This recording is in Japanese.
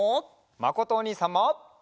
まことおにいさんも！